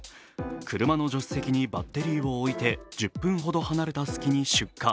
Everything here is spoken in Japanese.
車の助手席にバッテリーを置いて１０分ほど離れた間に出火。